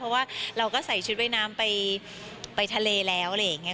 เพราะว่าเราก็ใส่ชุดว่ายน้ำไปทะเลแล้วอะไรอย่างนี้